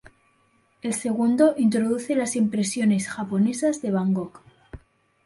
El segundo introduce las impresiones japonesas de Van Gogh.